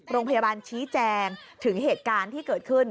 โรงพยาบาลชี้แจงถึงเหตุการณ์ที่เกิดขึ้น